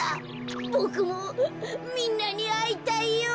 ボクもみんなにあいたいよ。